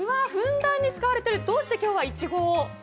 ふんだんに使われている、どうして今日はいちごを？